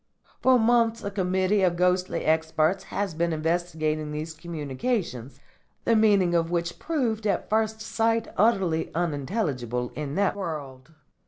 For months a committee of ghostly experts has been investigating these communications, the meaning of which proved at first sight utterly unintelligible in that world.